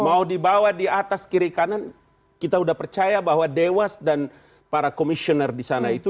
mau dibawa di atas kiri kanan kita udah percaya bahwa dewas dan para komisioner di sana itu